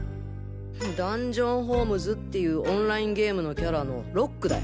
『ダンジョン・ホームズ』っていうオンラインゲームのキャラのロックだよ！